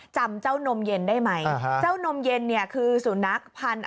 จำเจ้านมเย็นได้ไหมเจ้านมเย็นเนี่ยคือสุนัขพันธุ์